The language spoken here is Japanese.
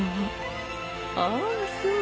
ああそうだ。